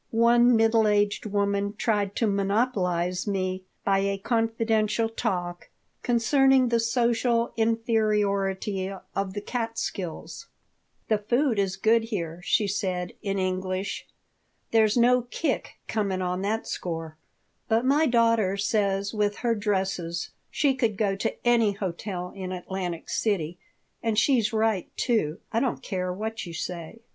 One middle aged woman tried to monopolize me by a confidential talk concerning the social inferiority of the Catskills "The food is good here," she said, in English. "There's no kick comin' on that score. But my daughter says with her dresses she could go to any hotel in Atlantic City, and she's right, too. I don't care what you say."